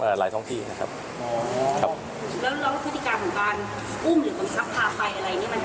แล้วพฤติการของการอุ้มหรือกำลังทรัพย์พาไปอะไรนี่มันจะเข้าไหน